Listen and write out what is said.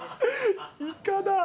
イカだ。